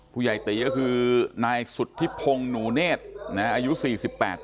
ผู้ใหญ่ตีก็คือนายสุธิพงศ์หนูเนศอายุ๔๘นะฮะ